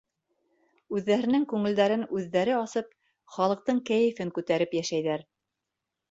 Үҙҙәренең күңелдәрен үҙҙәре асып, халыҡтың кәйефен күтәреп йәшәйҙәр.